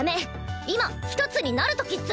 今一つになるときっス！